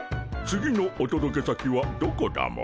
次のおとどけ先はどこだモ？